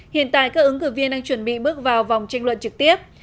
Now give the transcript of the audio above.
hiện tại các ứng cử viên đang chuẩn bị bước vào vòng tranh luận trực tiếp